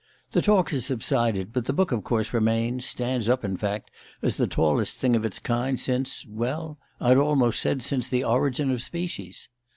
The talk has subsided, but the book of course remains: stands up, in fact, as the tallest thing of its kind since well, I'd almost said since "The Origin of Species."